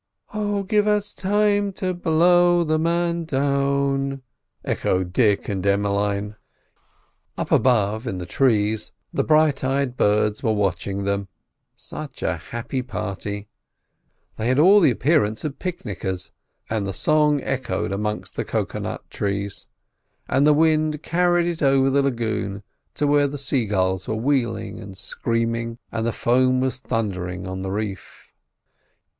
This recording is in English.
"Oh, give us time to blow the man down!" echoed Dick and Emmeline. Up above, in the trees, the bright eyed birds were watching them—such a happy party. They had all the appearance of picnickers, and the song echoed amongst the cocoa nut trees, and the wind carried it over the lagoon to where the sea gulls were wheeling and screaming, and the foam was thundering on the reef.